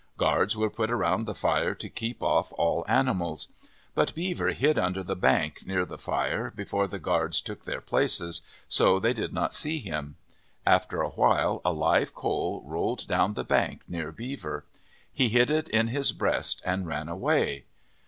Guards were put around the fire to keep off all animals. But Beaver hid under the bank, near the fire, before the guards took their places, so they did not see him. After a while a live coal rolled down the bank near Beaver. He hid it in his breast and ran away.